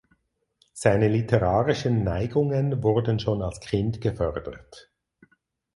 Seine literarischen Neigungen wurden schon als Kind gefördert.